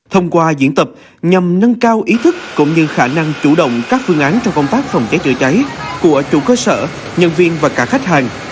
thông qua diễn tập nhằm nâng cao ý thức cũng như khả năng chủ động các phương án trong công tác phòng cháy chữa cháy của chủ cơ sở nhân viên và cả khách hàng